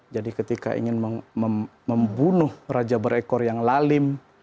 jadi ketika ingin membunuh raja berekor yang lalim